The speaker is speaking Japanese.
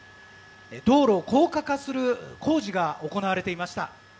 道路を高架化する工事が行われていました。